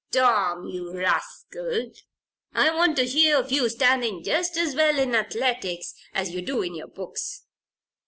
Tom, you rascal! I want to hear of you standing just as well in athletics as you do in your books.